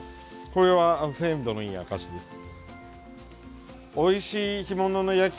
これは鮮度のいい証しです。